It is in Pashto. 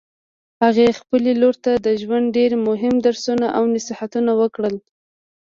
هغې خپلې لور ته د ژوند ډېر مهم درسونه او نصیحتونه ورکړل